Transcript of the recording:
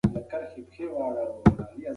که مادي ژبه وي، نو د زده کړې پروسه به بې خنډه وي.